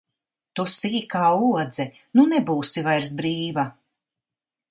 Tu sīkā odze, nu nebūsi vairs brīva!